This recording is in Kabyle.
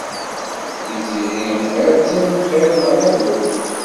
Tiziri ha-tt-an bxir neɣ uhu?